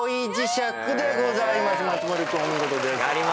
松丸君お見事です。